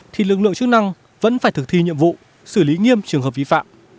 thì lực lượng chức năng vẫn phải thực thi nhiệm vụ xử lý nghiêm trường hợp vi phạm